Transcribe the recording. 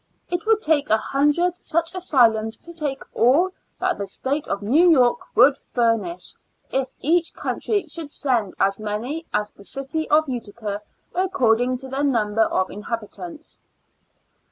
It would take a hundred such asylums to take all that the State of New York would furnish if each county should send as many as the city of Utica, according to their number of inhabi tants.